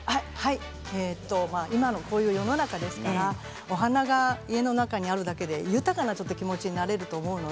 今のこういう世の中ですからお花が家の中にあるだけで豊かな気持ちになれると思います。